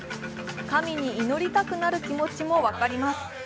神に祈りたくなる気持ちも分かります。